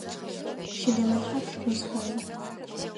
Щэлэмэ тхьапш узфаер?